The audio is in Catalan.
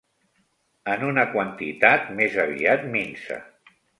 En una quantitat més aviat minsa.